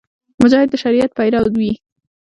مجاهد د شریعت پیرو وي.